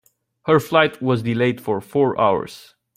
Her flight was delayed for four hours.